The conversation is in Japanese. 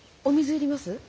お水要ります？